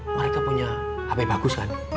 mereka punya hp bagus kan